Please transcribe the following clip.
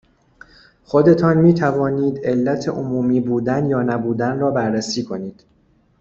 خودتان میتوانید علت عمومی بودن یا نبودن را بررسی کنید